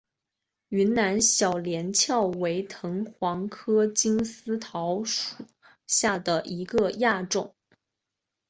云南小连翘为藤黄科金丝桃属下的一个亚种。